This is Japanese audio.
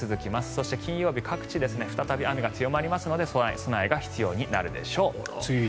そして金曜日各地、再び雨が強まりますので備えが必要になるでしょう。